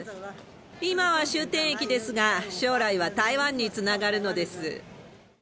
今は終点駅ですが、将来は台湾につながるのです。